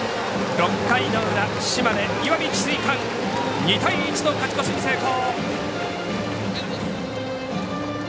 ６回の裏、島根・石見智翠館２対１と勝ち越しに成功。